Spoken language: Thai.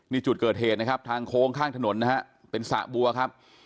นี่จุดเกิดเหตุนะครับทางโค้งข้างถนนนะฮะเป็นสระบัวครับ